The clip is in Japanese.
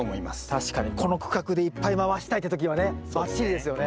確かにこの区画でいっぱい回したいって時はねバッチリですよね。